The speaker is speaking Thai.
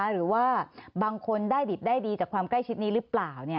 หรือว่าบางคนได้ดิบได้ดีจากความใกล้ชิดนี้หรือเปล่า